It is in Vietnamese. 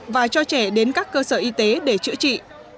và cho trẻ đến các cơ sở y tế để chữa trị